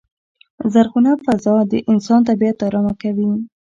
زرغونه فضا د انسان طبیعت ارامه کوی.